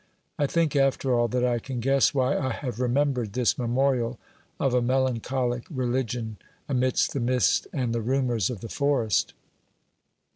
I think, after all, that I can guess why I have remembered this memorial of a melancholic religion amidst the mists and the rumours of the forest.